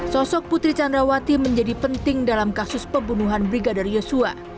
sosok putri candrawati menjadi penting dalam kasus pembunuhan brigadir yosua